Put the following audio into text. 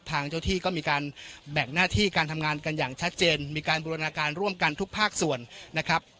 ทางเจ้าที่ก็มีการแบ่งหน้าที่การทำงานกันอย่างชัดเจนมีการบูรณาการร่วมกันทุกภาคส่วนนะครับ